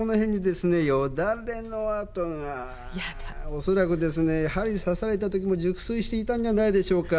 おそらくですね針刺されたときも熟睡していたんじゃないでしょうか？